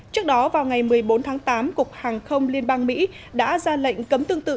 trước đó vào ngày một mươi bốn tháng tám cục hàng không liên bang mỹ đã ra lệnh cấm tương tự